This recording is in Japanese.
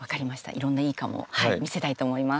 いろんな「いいかも！」を見せたいと思います。